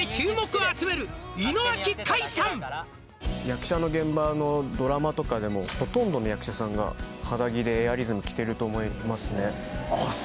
役者の現場のドラマとかでもほとんどの役者さんが肌着でエアリズム着てると思いますねあっ